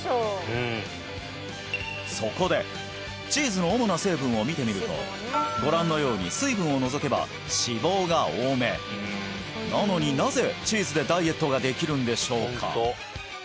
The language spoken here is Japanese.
そこでチーズの主な成分を見てみるとご覧のように水分を除けば脂肪が多めなのになぜチーズでダイエットができるんでしょうか？